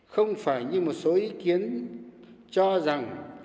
không phải như một số ý kiến cho rằng